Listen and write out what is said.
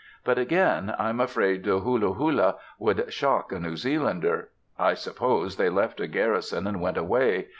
but, again, I'm afraid the houla houla would shock a New Zealander. I suppose they left a garrison, and went away.